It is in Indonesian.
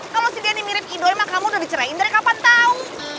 kalau si denny mirip ido emang kamu udah dicerain dari kapan tau